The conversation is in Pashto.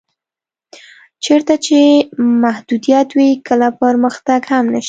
چېرته چې محدودیت وي کله پرمختګ هم نشته.